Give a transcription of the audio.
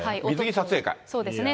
そうですね。